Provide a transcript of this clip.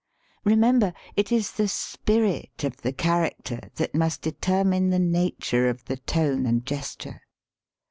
Remember, it is the spirit of the character that must determine the nature of the tone and gesture.